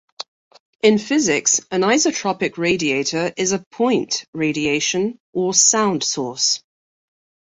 In physics, an isotropic radiator is a point radiation or sound source.